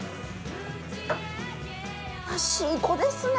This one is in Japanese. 優しい子ですね。